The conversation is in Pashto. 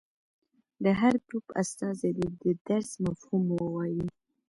د هر ګروپ استازي دې د درس مفهوم ووايي.